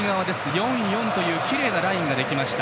４−４というきれいなラインができました。